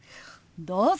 どうぞ！